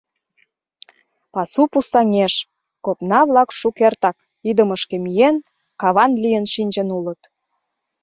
Пасу пустаҥеш: копна-влак шукертак, идымышке миен, каван лийын шинчын улыт.